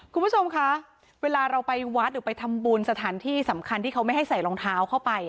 คุณผู้ชมคะเวลาเราไปวัดหรือไปทำบุญสถานที่สำคัญที่เขาไม่ให้ใส่รองเท้าเข้าไป